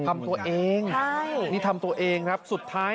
สวยสวยสวยสวยสวยสวยสวยสวย